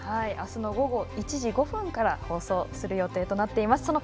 あすの午後１時５分から放送する予定となっています。